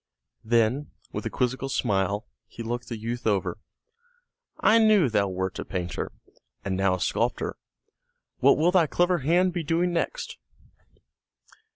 Then, with a quizzical smile, he looked the youth over. "I knew thou wert a painter; and now a sculptor; what will thy clever hand be doing next?"